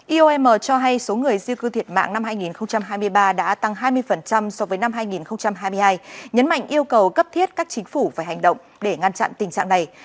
iom cho hay số người di cư thiệt mạng năm hai nghìn hai mươi ba đã tăng hai mươi so với năm hai nghìn hai mươi hai nhấn mạnh yêu cầu cấp thiết các chính phủ phải hành động để ngăn chặn tình trạng này